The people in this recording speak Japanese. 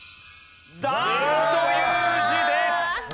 「団」という字で。